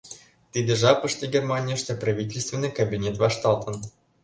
Тиде жапыште Германийыште правительственный кабинет вашталтын.